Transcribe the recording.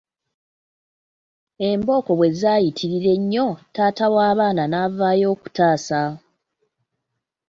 Embooko bwe zaayitirira ennyo taata w’abaana n’avaayo okutaasa.